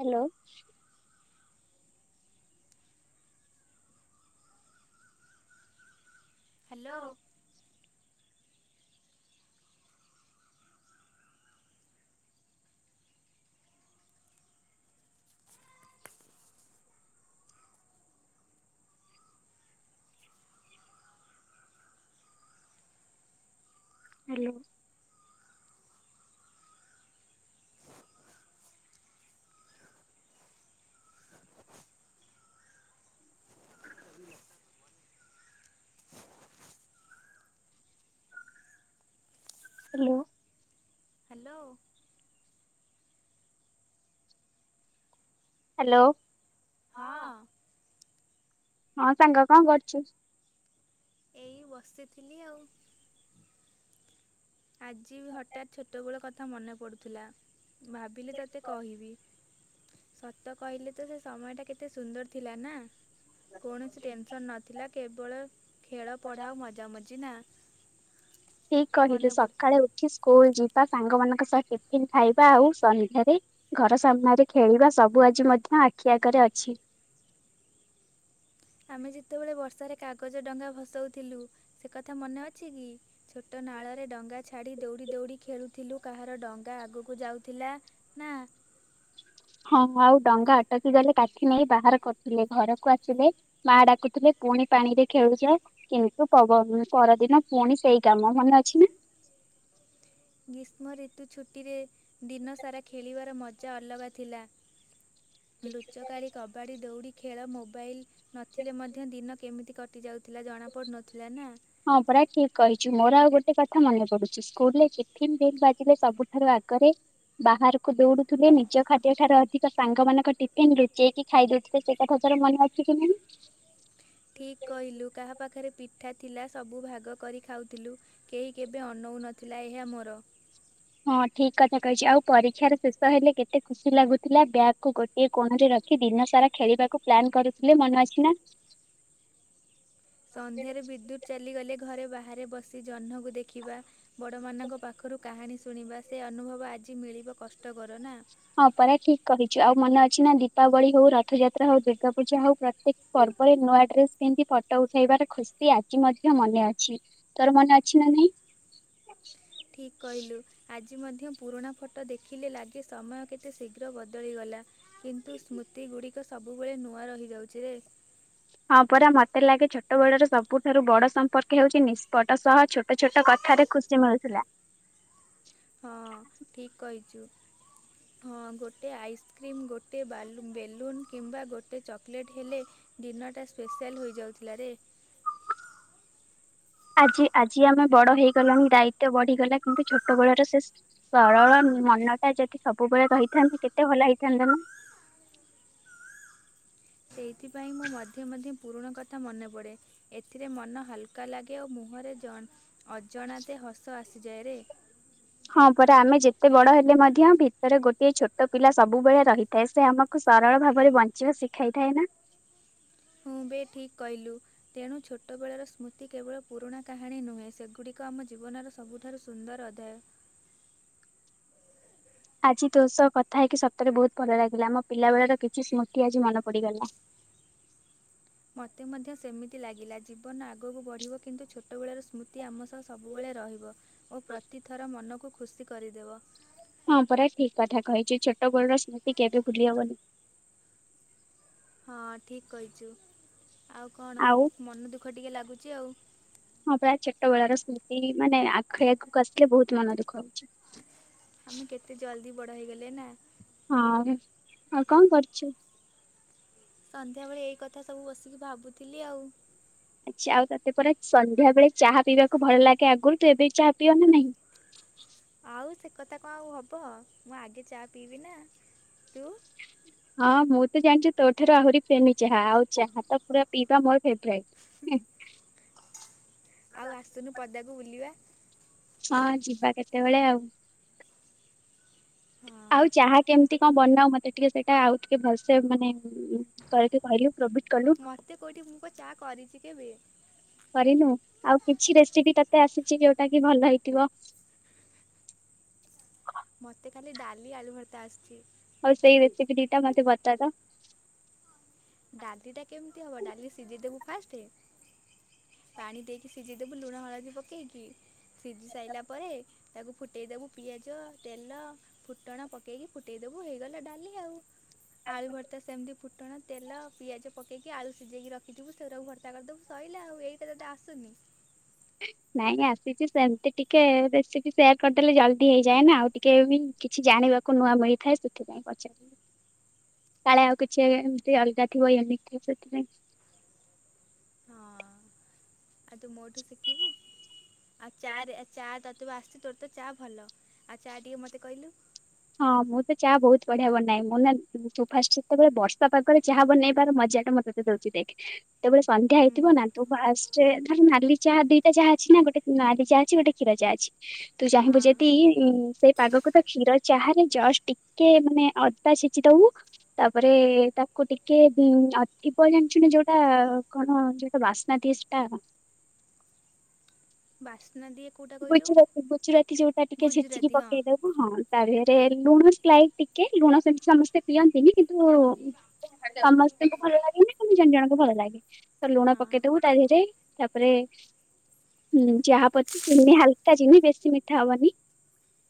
Hello. Hello. Hello. Hello. Hello. Hello. ହଁ। ହଁ ସାଙ୍ଗ କଣ କରୁଛୁ? ଏଇ ବସିଥିଲି ଆଉ। ଆଜି ବି ହଠାତ୍ ଛୋଟବେଳ କଥା ମନେ ପଡ଼ୁଥିଲା। ଭାବିଲି ତୋତେ କହିବି। ସତ କହିଲେ ତ ସେ ସମୟ ଟା କେତେ ସୁନ୍ଦର ଥିଲା ନା। କୌଣସି ଟେନସନ ନ ଥିଲା କେବଳ ଖେଳ ପଢ଼ା ଓ ମଜାମଜି ନା। ଠିକ କହିଲୁ ମନେ ପଡ଼ୁ ସକାଳେ ଉଠି ସ୍କୁଲ ଯିବା ସାଙ୍ଗମାନଙ୍କ ସହ ଟିଫନ୍ ଖାଇବା ଆଉ ସନ୍ଧ୍ୟାରେ ଘର ସାମ୍ନାରେ ଖେଳିବା ସବୁ ଆଜି ମଧ୍ୟ ଆଖି ଆଗରେ ଅଛି। ଆମେ ଯେତେବେଳେ ବର୍ଷାରେ କାଗଜ ଡଙ୍ଗା ଭସାଉଥିଲୁ ସେ କଥା ମନେ ଅଛି କି? ଛୋଟ ନାଳରେ ଡଙ୍ଗା ଛାଡ଼ି ଦୌଡ଼ି ଦୌଡ଼ି ଖେଳୁଥିଲୁ କାହାର ଡଙ୍ଗା ଆଗକୁ ଯାଉଥିଲା ନା ହଁ ଆଉ ଡଙ୍ଗା ଅଟକି ଗଲେ କାଠି ନେଇ ବାହାର କରିଥିଲେ ଘରକୁ ଆସିଲେ ମା ଡାକୁଥିଲେ ପୁଣି ପାଣି ରେ ଖେଳୁଛ କିନ୍ତୁ ପ ପରଦିନ ପୁଣି ସେଇ କାମ ମନେ ଅଛି ନା। ଗ୍ରୀଷ୍ମ ଋତୁ ଛୁଟିରେ ଦିନସାରା ଖେଳିବାର ମଜା ଅଲଗା ଥିଲା। ଲୁଚକାରୀ କବାଡ଼ି ଦୌଡ଼ି ଖେଳ ମୋବାଇଲ୍ ନଥିଲେ ମଧ୍ୟ ଦିନ କେମିତି କଟ କଟି ଯାଉଥିଲା ଜଣା ପଡ଼ୁନଥିଲା ନା? ହଁ ପୁରା ଠିକ କହିଛୁ ମୋର ଆଉ ଗୋଟେ କଥା ମନେ ପଡୁଛି। ସ୍କୁଲରେ ଟିଫିନ୍ ବେଲ୍ ବାଜିଲେ ସବୁଠାରୁ ଆଗରେ ବାହାର କୁ ଦୌଡୁଥିଲେ ନିଜ ଖାଦ୍ୟ ଠାରୁ ଅଧିକ ତ ସାଙ୍ଗମାନାନଙ୍କ ଟିଫିନ୍ ଲୁଚେଇକି ଖାଇଦଉଥିଲେ ସେଇଟା କଥା ମନେ ଅଛି କି ନାହିଁ? ଠିକ କହିଲୁ, କାହା ପାଖରେ ପିଠା ଥିଲା ସବୁ ଭାଗ କରି ଖାଉଥିଲୁ। କେହି କେବେ ଅନଉ ନଥିଲା ଏହା ମୋର। ହଁ ଠିକ କଥା କହିଛି ଆଉ ପରୀକ୍ଷାର ଶେଷ ହେଲେ କେତେ ଖୁସି ଲାଗୁଥିଲା ବ୍ୟାଗକୁ ଗୋ ଇ କୋଣରେ ରଖି ଦିନ ସାରା ଖେଳିବାକୁ ପ୍ଲାନ୍ କରୁଥିଲେ ମନେ ଅଛି ନା? ସନ୍ଧ୍ୟାରେ ବିଦ୍ୟୁତ୍ ଚାଲିଗଲେ ଘରେ ବାହାରେ ବସି ଜହ୍ନକୁ ଦେଖିବା। ବଡ଼ମାନଙ୍କ ପାଖରୁ କାହାଣୀ ଶୁଣିବା ସେ ଅନୁଭବ ଆଜି ମିଳିବ କଷ୍ଟକର ନା? ହଁ ପରା ଠିକ କହିଛୁ ଆଉ ମନେ ଅଛି ନା ଦୀପାବଳି ହଉ ରଥଯାତ୍ରା ହଉ ଦୁର୍ଗା ପୂଜା ହଉ ପ୍ରତ୍ୟେକ- ପର୍ବରେ ନୂଆ ଡ୍ରେସ ପିନ୍ଧି ଫଟୋ ଉଠେଇବାର ଖୁସି ଆଜି ମଧ୍ୟ ମନେ ଅଛି। ତୋର ମନେ ଅଛି ନା ନାଇଁ? ଠିକ କହିଲୁ। ଆଜି ମଧ୍ୟ ପୁରୁଣା ଫଟୋ ଦେଖିଲେ ଲାଗେ ସମୟ କେତେ ଶୀଘ୍ର ବଦଳିଗଲା। କିନ୍ତୁ ସ୍ମୃତି ଗୁଡ଼ିକ ସବୁବେଳେ ନୂଆ ରହିଯାଉଛି ରେ। ହଁ ପରା ମତେ ଲାଗେ ଛୋଟବେଳର ସବୁଠାରୁ ବଡ ସମ୍ପର୍କ ହେଉଛି ନିଷ୍ପଟ ସହ ଛୋଟ ଛୋଟ କଥାରେ ଖୁସି ମିଳୁଥିଲା। ହଁ ଠିକ କହିଛୁ। ହଁ ଗୋଟେ ଆଇସ୍କ୍ରିମ୍ ଗୋଟେ ବେଲୁନ୍ କିମ୍ବା ଗୋଟେ ଚକୋଲେଟ୍ ହେଲେ- ଦିନ ଟା ସ୍ପେଶାଲ ହେଯାଉଥିଲା ରେ। ଆଜି ଆଜି ଆମେ ବଡ ହେଇଗଲଣି ଦାୟିତ୍ୱ ବଢିଗଲା କିନ୍ତୁ ଛୋଟ ବେଳର ସେ- ସରଳ ମନଟା ଯଦି ସବୁବେଳେ ରହିଥାନ୍ତେ କେତେ ଭଲ ହେଇଥାନ୍ତାନା? ସେଇଥିପାଇଁ ମୁଁ ମଧ୍ୟ ମଧ୍ୟ ପୁରୁଣା କଥା ମନେ ପଡ଼େ। ଏଥିରେ ମନ ହାଲକା ଲାଗେ ଓ ମୁହଁରେ ଜନ୍ ନା। ଅଜଣାତେ ହସ ଆସିଯାଏରେ। ହଁ ପରା ଆମେ ଯେତେ ବଡ଼ ହେଲେମଧ୍ୟ ଭିତରେ ଗୋଟଏ ଛୋଟପିଲା ସବୁବେଳେ ରହି ତେସେ ଆମକୁ ସରଳ ଭାବରେ ବଞ୍ଚିବା ଶିଖାଇଥାଏ ନା? ହଁବେ ଠିକ୍ କହିଲୁ। ତେଣୁ ଛୋଟବେଳର ସ୍ମୃତି କେବଳ ପୁରୁଣା କାହାଣୀ ନୁହେଁ ସେଗୁଡ଼ିକ ଆମ ଜୀବନର ସବୁଠାରୁ ସୁନ୍ଦର ଅଧ୍ୟାୟ। ଆଜି ତୋଷକଥା ହେଇକି ସତରେ ବହୁତ୍ ଭଲ ଲାଗିଲା ଆମପିଲା ବେଳର କିଛି ସ୍ମୃତି ଆଜି ମନ ପଡ଼ିଗଲା। ମତେ ମଧ୍ୟ ସେମିତି ଲାଗିଲା ଜୀବନ ଆଗକୁ ବଢ଼ିବ କିନ୍ତୁ ଛୋଟବେଳେର ସ୍ମୃତି ଆମ ତ ସବୁବେଳେ ରହିବ ଓ ପ୍ରତିଥର ମନକୁ ଖୁସି କରିଦେବ। ହଁ ପରା ଠିକ୍ କଥା କହିଚୁ ଛୋଟ ବୋଳର ସ୍ମୃତି କେବେ ଭୁଲି ହବନି। ହଁ ଠିକ୍ କହିଚୁ ଆଉ କଣ ମନ ଦୁଃଖ ଟିକେ ଲାଗୁଚି ଆଉ। ହଁ ପରା ଛୋଟ ବେଳାର ସ୍ମୃତି ମାନେ ଆଖେଇ ଆଗକୁ ଆସିଲେ ବହୁତ୍ ମନ ଦୁଃଖ ହଉଚି। ଆମେ କେତେ ଜଲ୍ଦି ବଡ଼ ହେଇଗଲେନା? ହଁ ଆଉ କଣ କରୁଚୁ? ସନ୍ଧ୍ୟାବେଳେ ଏଇ କଥା ସବୁ ବସିକି ଭାବୁଥିଲି ଆଉ। ଆଚ୍ଛା ଆଉ ତତେ ପରା ସନ୍ଧ୍ୟା ବେଳେ ଚାହା ପିଇବାକୁ ଭଲ ଲାଗେ ଆଗରୁ ତୁଏବେ ଚାହା ପିଅନା ନାହିଁ? ଆଉ ସେକଥା କଣ ଆଉ ହବ ମୁଁ ଆଗେ ଚା ପିଇବିନା ତୁ? ହଁ ମୁଁତ ଜାଣିଚୁ ତୋଠାରୁ ଆହୁରି ପ୍ରେମୀ ଚାହା ଆଉ ଚାହାତ ପୁରା ପିଇବା ମୋର ଫେବରାଇଟ୍। ଆଉ ଆସୁନୁ ପଦାକୁ ବୁଲିବା? ହଁ ଯିବା କେତେବେଳେ ଆଉ। ହଁ ଆଉ ଚାହା କେମିତି କଣ ବନାଉ ମତେ ଟିକେ ସେଇଟା ଆଉ ଟିକେ ଭଲସେ ମାନେ କହିଲୁ କହିଲୁ ପ୍ରଭି ମୋତେ କଉଁଠି ମୁପା ଚା କରିଚି କେବେ? କରିନୁ ଆଉ କିଛି ରେସିପି ତତେ ଆସିଛି ଯୋଉଟାକି ଭଲ ହେଇଥିବ? ମୋତେ ଖାଲି ଡାଲି ଆଳୁ ଭର୍ତ୍ତା ଆସିୁଛି। ହଉ ସେଇ ରେସିପି ଦିଟା ମତେ ବତାତ? ଡ଼ାଲିଟା କେମିତି ହବ ଡ଼ାଲି ସିଝେଇ ଦେବୁ ଫାଷ୍ଟେ ପାଣି ଦେଇକି ସି ଜେଇଦବୁ ଲୁଣ ହଳଦୀ ପକେଇକିି ସିଝି ସାରିଲା ପରେ ତାକୁ ଫୁଟେଇ ଦବୁ ପିଆଜ ତେଲ ଫୁଟଣ ପକେଇକି ଫୁଟେଇଦବୁ ହେଇଗଲା ଡ଼ାଲି ଆଉ ଆଳୁ ଭର୍ତା ସେମିତି ଫୁଟଣ ତେଲ ଆଉ ପିଆଜ ପକେଇକି ଆଳୁ ସିଝେଇକି ରଖିଥିବୁ ସେଗୁଡ଼ାକୁ ଭର୍ତା କରିଦେବୁ ସଇଲା ଆଉ ଏଇଟା ତତେ ଆସୁନି? ନାଇଁ ଆସିଛି ସେମିତି ଟିକେ ରେସିପି ସେୟାର କରିଦେଲେ ଜଲ୍ଦି ହେଇଯାଏ ନା ଆଉ ଟିକେବି କିଛି ଜାଣିବାକୁ ନୂଆ ମିଳିଥାଏ ସେଥିପାଇଁ ପଚାରିଲି। କାଳେ ଆଉ କିଛି ଏମିତି ଅଲଗା ଥିବ ୟୁନିକ୍ ଥିବ ସେଥିପାଇଁ। ହଁ ଆଉତୁ ମୋଠୁ ସିକିବୁ? ଆଉ ଚାରେ ଚା ତୋତେପା ଆସୁଚି ତୋରତ ଚା ଭଲ ଆଉ ଚା ଟିକିଏ ମୋତେ କହିଲୁ? ହଁ ମୁଁତ ଚାହା ବହୁତ୍ ବଢ଼ିଆ ବନାଏ ମୁଁନା ସୋ ଫାଷ୍ଟେ ଯେତେବେଳେ ବର୍ଷା ପାଗରେ ଚାହା ବନେଇବାର ମଜାଟା ମତେ ଶିଖେଇ ଦେଉଛି ଦେଖ ଯେତେବେଳେ ସନ୍ଧ୍ୟା ହେଇଥିବ ହୁଁ ନା ତୁ ଫାଷ୍ଟେ ଧର ନାଲି ଚାହା ଦିଟା ଚାହା ଅଛିନା ଗୋଟେ ନାଲି ଚାହା ଅଛି ଗୋଟେ କ୍ଷୀର ଚାହା ଅଛି। ତୁ ଚାହିଁବୁ ହଁ ଯଦି ଉ ସେଇ ପାଗକୁତ କ୍ଷୀର ଚାହାରେ ଜଷ୍ଟ ଟିକେ ମାନେ ଅଦା ଛେଚିଦବୁ ତାପରେ ତାକୁ ଟିକେ ଅ ଥିଦ ଜାଣିଚୁନା ଯୋଉଟା କଣ ଯ ବାସ୍ନା ଦିଏ ସେଟା ବାସ୍ନା ଦିଏ କେଉଁଟା କହିଲୁ ଗୁଜୁରାତି ଗୁଜୁରାତି ଯୋଉଟା ଟିକେ ଛେଚିକି ଗୁଜୁରାତି ହଁ ପକେଇଦବୁ। ହଁ ତା ଦିହରେ ଲୁଣ ସ୍ଲାଇଟ୍ ଟିକେ ଲୁଣ ସେମିତି ସମସ୍ତେ ପିଅନ୍ତିନି କିନ୍ତୁ ସମସ୍ତଙ୍କୁ ଭଲ ଲାଗେନି କିନ୍ତୁ ଜଣ ଜଣଙ୍କୁ ଭଲ ଲାଗେ ତ ଲୁଣ ହଁ ପକେଇଦବୁ ତା ଦେହରେ ତାପରେ ଚାହା ପତି ଚିନି ହାଲୁକା ଚିନି ବେଶୀ ମିଠା ହବନି।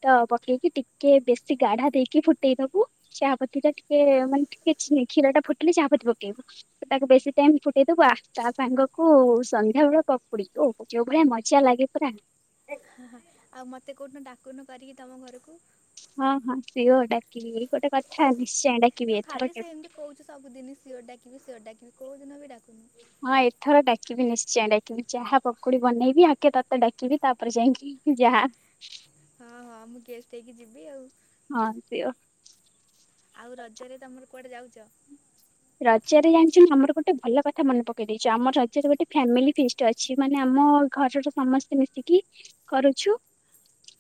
ତ ପକେଇକି ଟିକେ ବେଶୀ ଗାଢା ଦେଇକି ଫୁଟେଇଦବୁ। ଚାହାପତି ଟା ଟିକେ ମାନେ ଟିକେ କ୍ଷୀର ଟା ଫୁଟିଲେ ଚାହାପତି ପକେଇବୁ। ତାକୁ ବେଶୀ ଟାଇମ ଫୁଟେଇଦବୁ ଆଃ ତା ସାଙ୍ଗକୁ ସନ୍ଧ୍ୟାବେଳେ ପକୁଡି ଓହୋଃ ଯୋଉ ଭଳିଆ ମଜା ଲାଗେ ପୁରା। [inaudible] ଆଉ ମତେ କୋଉଦିନ ଡାକୁନୁ କରିକି ତମ ଘରକୁ। ହଁ ହଁ ସିଓର ଡାକିବି ଏଇ ଗୋଟେ କଥା ନିଶ୍ଚୟ ଡାକି ତୁ ଖାଲି ସେମିତି କହୁଛୁ ସବୁଦିନି ସିଓର ଡାକିବି ସିଓର ଡାକିବି କୋଉ ଦିନ ବି ଡାକୁନୁ। ହଁ ଏଥର ଡାକିବି ନିଶ୍ଚୟ ଡାକିବି ଚାହା ପକୁଡ଼ି ବନେଇବି, ଆଗ ତତେ ଡାକିବି ତାପରେ ଯାଇକି ଯାହା। ହଁ ହଁ ମୁଁ ଗେଷ୍ଟ୍ ହେଇକି ଯିବି ଆଉ। ହଁ ଆସିବ। ଆଉ ରଜରେ ତମର କୁଆଡ଼େ ଯାଉଛ? ରଜରେ ଜାଣିଛୁ ଆମର ଗୋଟେ ଭଲ କଥା ମନେ ପକେଇ ଦେଇଛୁ ଆମର ରଜରେ ଗୋଟେ ଫ୍ୟାମିଲି ଫିଷ୍ଟ୍ ଅଛି ମାନେ ଆମ ଘରର ସମସ୍ତେ ମିଶିକି କରୁଛୁ।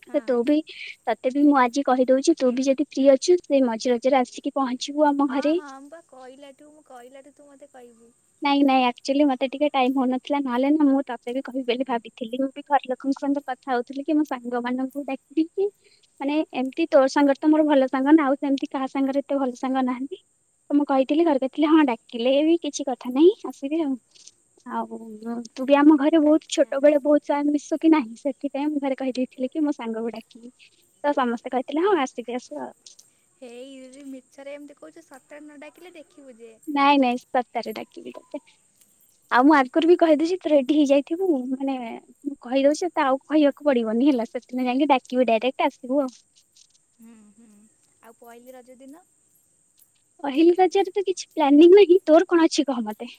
ହଁ ତୁ ବି ତତେ ବି ମୁଁ ଆଜି କହିଦଉଛି ତୁ ବି ଯଦି ଫ୍ରି ଅଛୁ ସେ ମଝି ରଜରେ ଆସିକି ପହଞ୍ଚିବୁ ଆମ ହଁ ଘରେ ହଁ ମୁଁ ପା କହିଲାଠୁ ମୁଁ କହିଲାଠୁ ତୁ ମତେ କହିବୁ। ନାଇଁ ନାଇଁ ଆକ୍ଚୁଆଲି ମତେ ଟିକେ ଟାଇମ ହଉନଥିଲା ନହେଲେ ନା ମୁଁ ତତେ ବି କହି ବୋଲି ଭାବଥିଲି। ମୁଁ ବି ଘର ଲୋକଙ୍କ ସହିତ ହଉଥିଲି କି ମୋ ସାଙ୍ଗ ମାନଙ୍କୁ ଡାକିକି ମାନେ ଏମିତି ତୋ ସାଙ୍ଗରେ ତ ମୋର ଭଲ ସାଙ୍ଗ ନା ଆଉ ସେମିତି କାହା ସାଙ୍ଗରେ ଏତେ ଭଲ ସାଙ୍ଗ ନାହାନ୍ତି। ତ ମୁଁ କହିଥିଲି ଘର କହିଥିଲେ ହଁ ଡାକିଲେ ବି କିଛି କଥା କଥା ନାଇଁ ଆସିବେ ଆଉ। ଆଉ ତୁ ବି ଆମ ଘରେ ବହୁତ ଆଚ୍ଛା ଛୋଟବେଳେ ବହୁତ ମିଶୁ କି ନାହିଁ ସେଥିପାଇଁ ମୁଁ ଘରେ କହିଦେଇଥିଲି କି ମୋ ସାଙ୍ଗକୁ ଡାକିବି। ତ ସମସ୍ତେ କହିଥିଲେ ହଁ ଆସିକି ଆସିବ ଆଉ। ହେଇ ଯଦି ମିଛରେ ଏମିତି କହୁଛୁ ସତରେ ନ ଡାକିଲେ ଦେଖିବୁ ଯେ। ନାଇଁ ନାଇଁ ସତରେ ଡାକିବି ତତେ। ଆଉ ମୁଁ ଆଗୁରୁ ବି କହିଦେଇଛି ତୁ ରେଡ଼ି ହେଇଯାଇଥିବୁ ମାନେ ମୁଁ କହିଦଉଛି ତତେ ଆଉ କହିବାକୁ ପଡିବନି ହେଲା ସେଦିନ ଯାଇକି ଡାକିବି ଡାଇରେକ୍ଟ ଆସିବୁ ଆଉ। ହୁଁ ହୁଁ। ଆଉ ପହଲିି ରଜ ଦିନ? ପହିଲି ଗଜରେ ତ କିଛି ପ୍ଲାନିଂ ନାହିଁ। ତୋର କଣ ଅଛି କହ ମତେ?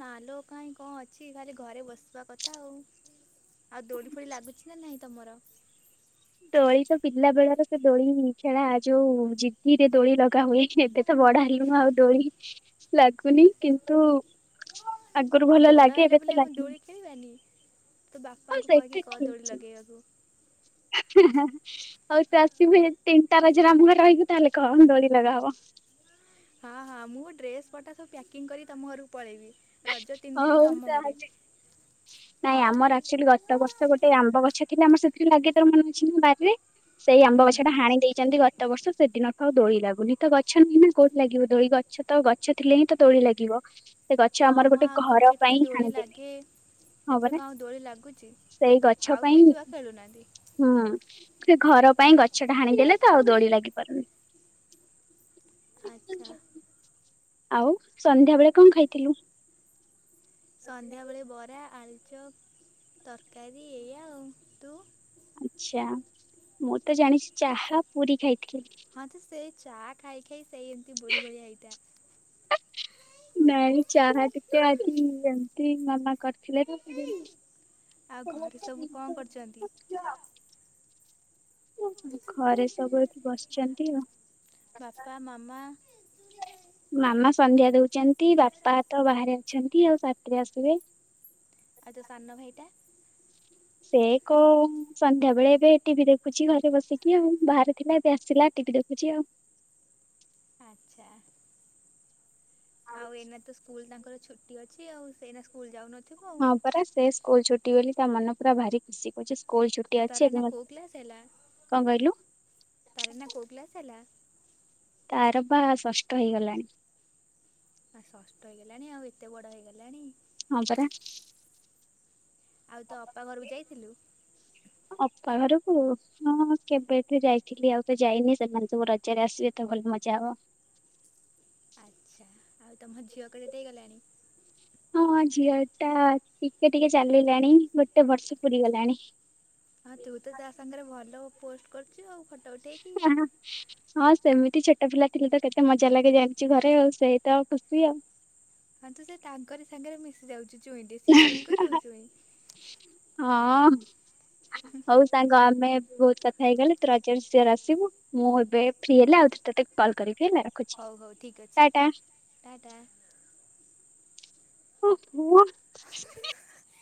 ନା ଲୋ କାହିଁ କଣ ଅଛି ଖାଲି ଘରେ ବସିବା କଥା ଆଉ। ଆଉ ଦୋଳି ଫୋଳି ଲାଗୁଛି ନା ନାଇଁ ତମର? ଦୋଳି ପିଲା ବେଳାର ସେ ଦୋଳି ଖେଳା ଯୋଉ ଜିଦି ରେ ଦୋଳି ଲଗା ହୁଏ ଏବେ ତ ବଡ଼ ହେଲୁଣୁ ଆଉ ଦୋଳି ଲାଗୁନି। କିନ୍ତୁ ଆଗରୁ ଆଉ ଭଲ ବଡ଼ ଲାଗେ ଏବେ ହେଲେ ତ ବୋଲି ଆଉ କଣ ଲାଗେନି ଦୋଳି ଖେଳିବା ନି? ତୁ ହଁ ବାପାଙ୍କୁ କହିକି ସେଇଟା କହ ଠିକ ଦୋଳି ଅଛି। ଲଗେଇବାକୁ। [inaudible] ହଉ ତୁ ଆସିବୁ ଯଦି ତିନିଟା ରଜରେ ଆମ ଘରେ ରହିବୁ ତାହେଲେ କହ ଦୋଳି ଲଗା ହବ। ହଁ ହଁ ମୁଁ ଡ୍ରେସ ପଟା ସବୁ ପ୍ୟାକିଂ କରିିକ ତମ ଘରକୁ ପଳେଇବି। ରଜ ତିନି ଦିନ ହଉ ତମ ତାହେଲେ ଘରେ। [inaudible] ନାଇଁ ଆମର ଆକ୍ଚୁଆଲି ଗତ ବର୍ଷ ଗୋଟେ ଆମ୍ବ ଗଛ ଥିଲା ଆମର ସେଥିରେ ଲାଗେ ତୋର ମନେ ଅଛି ନା ବାରିରେ? ସେଇ ଆମ୍ବ ହୁଁ ଗଛ ଟା ହାଣି ଦେଇଛନ୍ତି ଗତ ବର୍ଷ। ସେଦିନ ଠୁ ଆଉ ଦୋଳି ଲାଗୁନି ତ ଗଛ ନାହିଁ ନା କୋଉଠି ଲାଗିବ ଦୋଳି? ଗଛ ଗଛ ତ ଗଛ ଥିଲେ ହିଁ ତ ଦୋଳି ଲାଗିବ। ସେ ଗଛ ହଁ ଆମର ମ ଗୋଟେ ଆଗରୁ ଘର କେତେ ପାଇଁ ଦୋଳି ହାଣିଦେଲେ ଲାଗେ। ହଁ ଏବେ ପରା କଣ ଆଉ ଦୋଳି ଲାଗୁଛି ସେଇ ଗଛ ଆଉ ପାଇଁ କେହି ଛୁଆ ଖେଳୁନାହାନ୍ତି। ହୁଁ ସେ ଘର ପାଇଁ ଗଛ ଟା ହାଣିଦେଲେ ତ ଆଉ ଦୋଳି ଲାଗିପାରୁନି। [inaudible] ଆଚ୍ଛା। ଆଉ ସନ୍ଧ୍ୟାବେେଳେ କଣ ଖାଇଥିଲୁ। ସନ୍ଧ୍ୟାବେଳେ ବରା ଆଳୁଚପ ତରକାରୀ ଏଇଆା ଆଉ ତୁ। ଆଛା ମୁଁ ତ ଜାଣିଛି ଚାହା ପୁରୀ ଖାଇଥିଲି। ହଁ ତୁ ସେଇ ଚା ଖାଇ ଖାଇ ସେଇ ଏମିତି ବୁଢି ଭଳିଆ ହେଇଥା। ନାଇଁ ଚାହା ଟିକେ ଆଜି ଏମିତି ମାମା କରିଥିଲେ ପି [inaudible] ଆଉ ଘରେ ସବୁ କଣ କରୁଛନ୍ତି। ଘରେ ସବୁ ଏଇଠି ବସିଛନ୍ତି ଆଉ। ବାପା ମାମା ମାମା ସନ୍ଧ୍ୟା ଦଉଛନ୍ତି ବାପା ତ ବାହାରେ ଅଛନ୍ତି ଆଉ ସାତିରେ ଆସିବେ। ଆଉ ତୋ ସାନ ଭାଇଟା। ସେ କୋଉ ସନ୍ଧ୍ୟାବେେଳେ ଏବେ ଟିଭି ଦେଖୁଛି ଘରେ ବସିକି ଆଉ ବାହାରେ ଥିଲା ଏବେ ଆସିଲା ଟିଭି ଦେଖୁଛି ଆଉ। ଆଚ୍ଛା। ଆଉ ଏଇନା ତ ସ୍କୁଲ ତାଙ୍କର ଛୁଟି ଅଛି ଆଉ ସେ ଏଇନା ସ୍କୁଲ ଯାଉନଥିବ ଆଉ। ହଁ ପରା ସେ ସ୍କୁଲ ଛୁଟି ବୋଲି ତା ମନ ପୁରା ଭାରି ଖୁସି କହୁଚି ତାର ଏନା କୋଉ କ୍ଲାସ୍ ହେଲା କଣ କହିଲୁ ତାର ଏନା କୋଉ କ୍ଲାସ୍ ହେଲା। ତାର ବା ସଷ୍ଟ ହେଇଗଲାଣି। ଆ ଷଷ୍ଠ ହେଇଗଲାଣି ଆଉ ଏତେ ବଡ ହେଇଗଲାଣି। ହଁ ପରା। ଆଉ ତୋ ଅପା ଘରକୁ ଯାଇଥିଲୁ। ଅପା ଘରକୁ ହଁ କେବେଠୁ ଯାଇଥିଲି ଆଉ ତ ଯାଇନି ସେମାନେ ସବୁ ରଜରେ ଆସିବେ ତ ଭଲ ମଜା ହବ। ଆଚ୍ଛା ଆଉ ତୁମ ଝିଅ କେଡୁଟେ ହେଇଗଲାଣି। ହଁ ଝିଅ ଟା ଟିକେ ଟିକେ ଚାଲିଲାଣି ଗୋଟେ ବର୍ଷ ପୁରି ଗଲାଣି। ହଁ ତୁ ତ ତା ସାଙ୍ଗରେ ଭଲ ଉ ପୋଷ୍ଟ କରୁଛୁ ଆଉ ଫଟୋ ଉଠେଇକି। ହଁ ସେମିତି ଛୋଟ ପିଲା ଥିଲେ ତ କେତେ ମଜା ଲାଗେ ଯାଣିଚୁ ଘରେ ଆଉ ସେଇ ତ ଆଉ ଖୁସି ଆଉ। ହଁ ତୁ ସେ ତାଙ୍କରି ସାଙ୍ଗରେ ମିଶି ଯାଉଚୁ ଚୁଇଁଟିଏ ସିଏ ଚୁଇଁ ତୁ ଚୁଇଁ। ହଁ ହଉ ସାଙ୍ଗ ଆମେ ବହୁତ କଥା ହେଇଗଲେ ତୁ ରଜରେ ସିଓର ଆସିବୁ ମୁଁ ଏବେ ଫ୍ରି ହେଲେ ଆଉଥରେ ତୋତେ କଲ୍ କରିବି ହେଲା। ରଖୁଛି ହଉ ହଉ ଠିକ୍ ଅଛି ଟା ଟା ଟା। ଓ ହୋ।